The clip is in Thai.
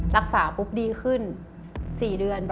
รักษาปุ๊บดีขึ้น๔เดือน